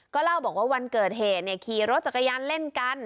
เล่าบอกว่าวันเกิดเหตุขี่รถจักรยานเล่นกัน